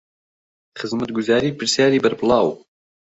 خزمەتگوزارى پرسیارى بەربڵاو